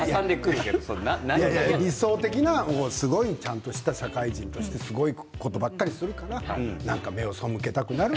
理想的な社会人としてすごいことばかりするから目を背けたくなる。